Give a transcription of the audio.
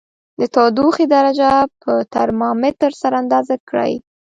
د تودوخې درجه په ترمامتر سره اندازه کړئ.